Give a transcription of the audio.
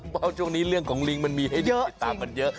เพราะช่วงนี้เรื่องของลิงมันมีให้เยอะติดตามกันเยอะ